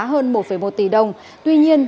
hơn một một tỷ đồng tuy nhiên